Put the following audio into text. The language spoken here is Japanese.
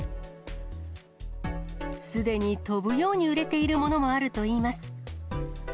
すでに飛ぶように売れているものもあるといいます。